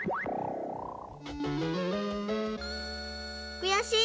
くやしい！